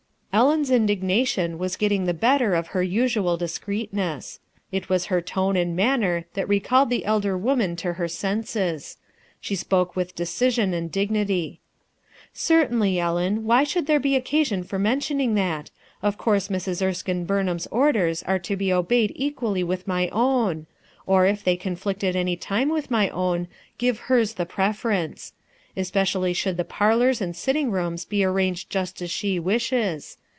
Ellen's indignation was getting the better of her usual discreetness. It was her tone and manner that recalled the elder woman to her senses. She spoke with decision and dignity. "Certainly, Ellen. Why should there be occasion for mentioning that? Of course Mrs. Erskine Burnham's orders are to be obeyed equally with my own ; or, if they conflict at any time with my own, give hers the preference. Especially should the parlors and sitting rooms be arranged just as she wishes.